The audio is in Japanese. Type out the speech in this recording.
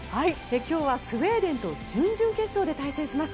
今日はスウェーデンと準々決勝で対戦します。